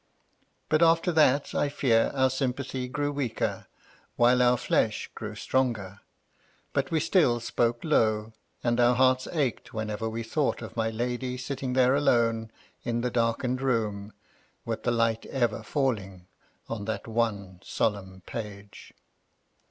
But after that, I fear our sym pathy grew weaker, while our flesh grew stronger. But we still spoke low, and our hearts ached whenever we thought of my lady sitting there alone in the darkened room, with the light ever felling on that one solemn page.